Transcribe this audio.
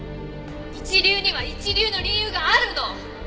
一流には一流の理由があるの！